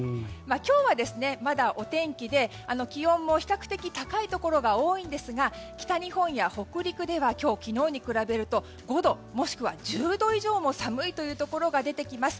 今日は、まだお天気で気温も比較的高いところが多いですが北日本や北陸では今日、昨日に比べると５度もしくは１０度以上も寒いというところが出てきます。